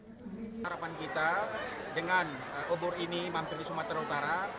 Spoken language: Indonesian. harapan kita dengan obor ini mampir di sumatera utara